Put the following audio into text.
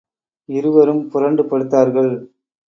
இருவரும் புரண்டு படுத்தார்கள்.